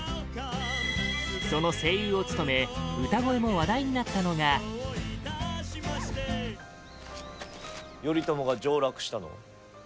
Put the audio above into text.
その声優を務め歌声も話題になったのが後鳥羽上皇：頼朝が上洛したのは。